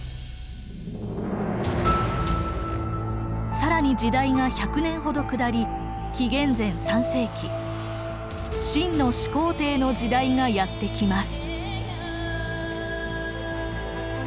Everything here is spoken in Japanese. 更に時代が１００年ほど下り紀元前３世紀秦の始皇帝の時代がやって来ます。